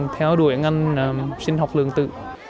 theo đuổi ngành sinh học lương tự